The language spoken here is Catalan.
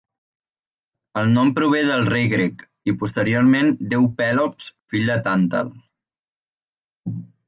El nom prové del rei grec, i posteriorment déu Pèlops, fill de Tàntal.